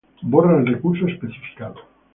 Borra el recurso especificado.